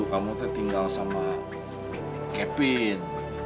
kamu tertinggal sama kevin